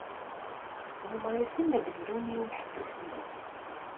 Yumeṛ-iten ad d-brun i umeḥbus-nni.